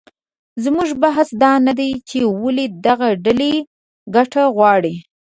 زموږ بحث دا نه دی چې ولې دغه ډلې ګټه غواړي